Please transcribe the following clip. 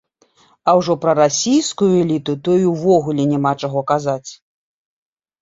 А ўжо пра расійскую эліту то і ўвогуле няма чаго казаць!